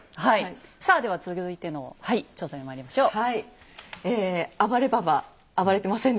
さあでは続いての調査にまいりましょう。